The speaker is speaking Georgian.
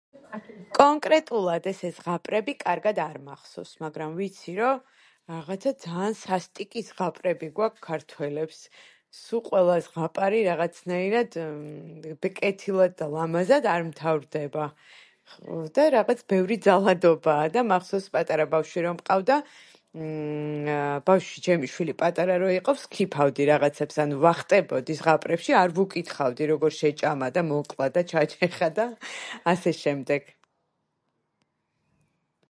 კონკრეტულად ესე ზღაპრები კარგად არ მახსოვს, მაგრამ ვიცი, რო რაღაცა ძაან სასტიკი ზღაპრები გვაქ ქართველებს. სუ ყველა ზღაპარი რაღაცნაირად კეთილად და ლამაზად არ მთავრდება. ხოდა, რაღაც ბევრი ძალადობაა და მახსოვს პატარა ბავშვი რო მყავდა, ბავშვი, ჩემი შვილი, პატარა რო იყო ვსქიფავდი რაღაცებს, ანუ ვახტებოდი ზღაპრებში, არ ვუკითხავდი როგორ შეჭამა და მოკლა და ჩაჩეხა და ასე შემდეგ.